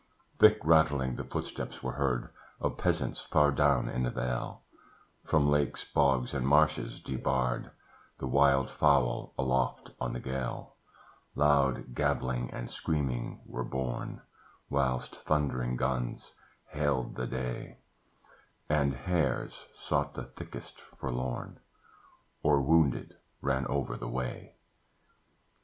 Thick rattling the footsteps were heard Of peasants far down in the vale; From lakes, bogs, and marshes debarred, The wild fowl, aloft on the gale, Loud gabbling and screaming were borne, Whilst thundering guns hailed the day, And hares sought the thicket forlorn, Or, wounded, ran over the way.